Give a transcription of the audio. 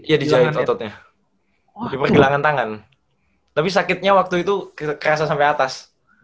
iya di jahitan ototnya di pergilangan tangan tapi sakitnya waktu itu kerasa sampe atas